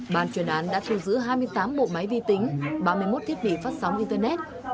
ban chuyên án đã thu giữ hai mươi tám bộ máy vi tính ba mươi một thiết bị phát sóng internet